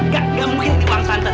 gak mungkin ini uang tante